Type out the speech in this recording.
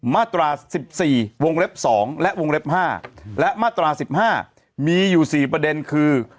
มาตรา๑๔วงเล็บ๒และวงเล็บ๕และมาตรา๑๕มีอยู่๔ประเด็นคือ